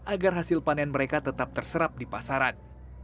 agar hasil panen mereka tetap terserap di pasaran